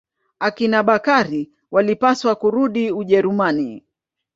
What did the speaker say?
Akina Bakari walipaswa kurudi Ujerumani.